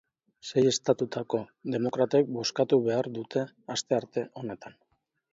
Sei estatutako demokratek bozkatu behar dute astearte honetan.